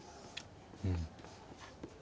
うん。